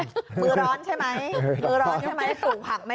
มือร้อนใช่ไหมมือร้อนใช่ไหมปลูกผักไหม